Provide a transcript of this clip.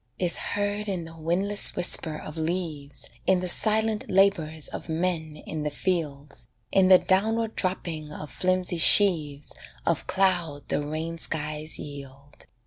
Is heard in the windless whisper of leaves In the silent labours of men in the fields, In the downward dropping of flimsy sheaves Of cloud the rain skies yield.